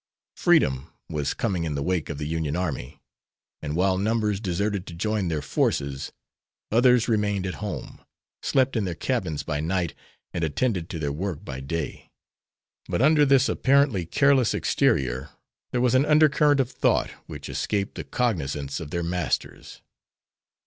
Freedom was coming in the wake of the Union army, and while numbers deserted to join their forces, others remained at home, slept in their cabins by night and attended to their work by day; but under this apparently careless exterior there was an undercurrent of thought which escaped the cognizance of their masters.